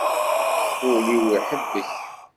Ul-iw iḥebbek.